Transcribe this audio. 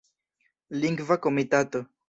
Lingva Komitato.